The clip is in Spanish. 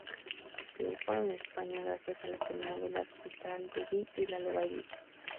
Triunfó en España gracias a las telenovelas "Cristal", "Rubi" y "La Loba Herida".